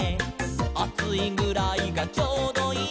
「『あついぐらいがちょうどいい』」